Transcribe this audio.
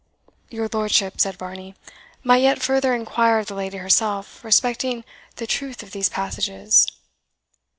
"Your lordship," said Varney, "might yet further inquire of the lady herself respecting the truth of these passages."